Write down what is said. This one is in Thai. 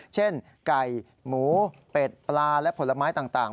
เช่นไก่หมูเป็ดปลาและผลไม้ต่าง